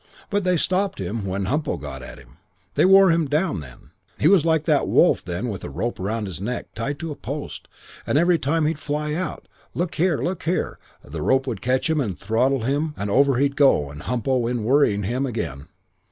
But they stopped him when Humpo got at him! They wore him down then! He was like that wolf then with a rope round his neck, tied to a post, and every time he'd fly out with, 'Look here Look here ' the rope would catch him and throttle him and over he'd go and Humpo in worrying him again.